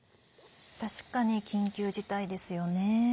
確かに緊急事態ですよね。